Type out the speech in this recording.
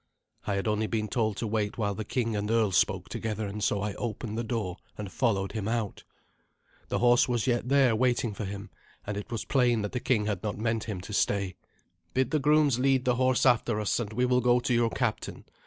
I had only been told to wait while the king and earl spoke together, and so I opened the door and followed him out. The horse was yet there waiting for him, and it was plain that the king had not meant him to stay. "Bid the grooms lead the horse after us, and we will go to your captain.